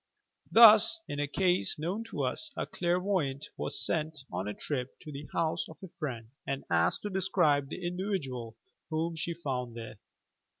Thos, in a case known to us, a clairvoyant was sent on a trip to the house of a friend and asked to describe the individual whom she found there.